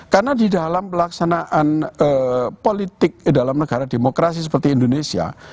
karena di dalam pelaksanaan politik dalam negara demokrasi seperti indonesia